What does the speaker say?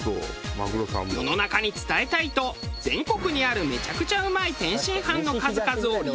世の中に伝えたいと全国にあるめちゃくちゃうまい天津飯の数々をリストアップ。